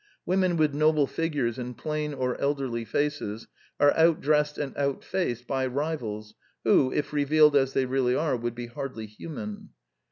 Women with noble figures and plain or elderly faces are outdressed and outfaced by rivals who, if revealed as they really are, would be hardly human.